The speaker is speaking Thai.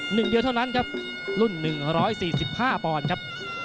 หนึ่งเดียวเท่านั้นครับรุ่นหนึ่งร้อยสี่สิบห้าปอนด์ครับ